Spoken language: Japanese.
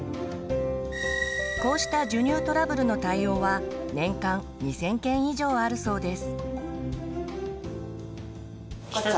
こうした授乳トラブルの対応は年間２，０００件以上あるそうです。